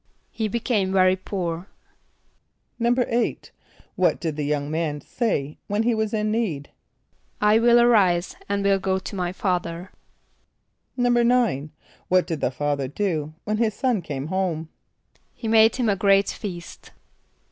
=He became very poor.= =8.= What did the young man say when he was in need? ="I will arise, and will go to my father."= =9.= What did the father do when his son came home? =He made him a great feast.